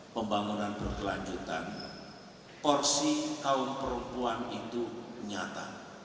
pembangunan berkelanjutan porsi kaum perempuan itu nyata